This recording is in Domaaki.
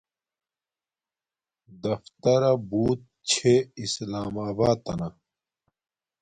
دفترا بوت چھے اسلام آباتنا